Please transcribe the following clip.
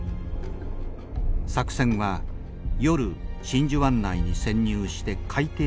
作戦は夜真珠湾内に潜入して海底で待機。